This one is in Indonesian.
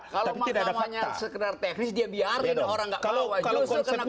kalau mahkamahnya sekedar teknis dia biarkan orang nggak ngawain